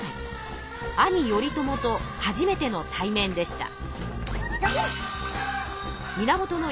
兄頼朝と初めての対面でした。